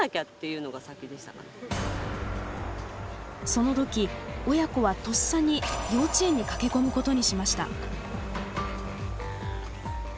その時親子はとっさに幼稚園に駆け込むことにしました。